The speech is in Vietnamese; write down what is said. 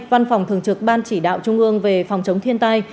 văn phòng thường trực ban chỉ đạo trung ương về phòng chống thiên tai